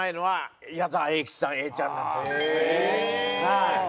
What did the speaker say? はい。